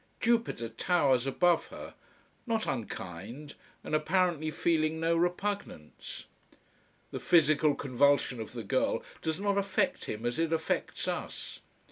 Jupiter towers above her not unkind, and apparently feeling no repugnance. The physical convulsion of the girl does not affect him as it affects us.